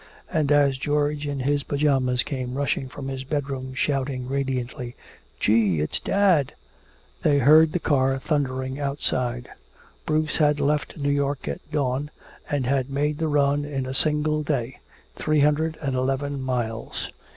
And as George in his pajamas came rushing from his bedroom shouting radiantly, "Gee! It's dad!" they heard the car thundering outside. Bruce had left New York at dawn and had made the run in a single day, three hundred and eleven miles.